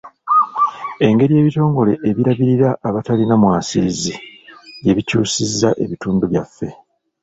Engeri ebitongole ebirabirira abatalina mwasirizi gye bikyusizza ebitundu byaffe.